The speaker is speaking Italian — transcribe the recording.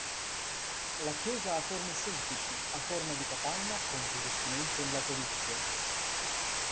La chiesa ha forme semplici, a forma di capanna con rivestimento in laterizio.